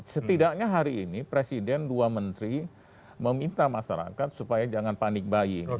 setidaknya hari ini presiden dua menteri meminta masyarakat supaya jangan panik bayi